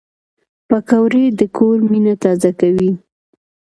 پکورې د کور مینه تازه کوي